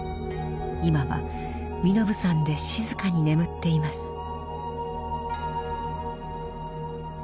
今は身延山で静かに眠っています。